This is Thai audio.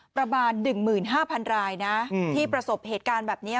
ประมาณ๑๕๐๐๐รายนะที่ประสบเหตุการณ์แบบนี้